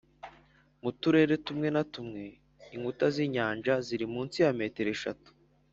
mu turere tumwe na tumwe, inkuta z'inyanja zari munsi ya metero eshatu.